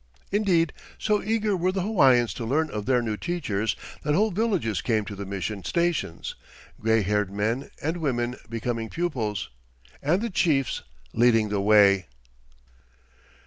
Indeed, so eager were the Hawaiians to learn of their new teachers that whole villages came to the mission stations, gray haired men and women becoming pupils, and the chiefs leading the way.